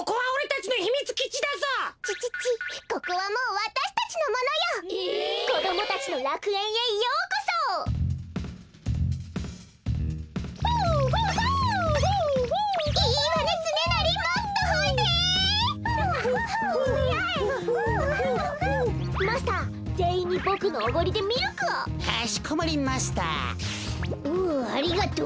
ふうありがとう。